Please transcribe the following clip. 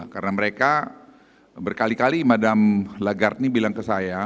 karena mereka berkali kali md legar ini bilang ke saya